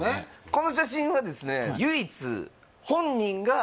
この写真はですねえっ？